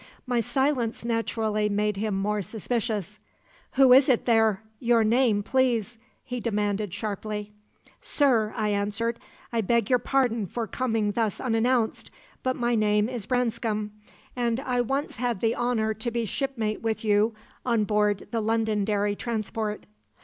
"My silence naturally made him more suspicious. "'Who is it there? Your name, please?' he demanded sharply. "' Sir,' I answered, 'I beg your pardon for coming thus unannounced, but my name is Branscome, and I had once the honour to be shipmate with you on board the Londonderry transport.'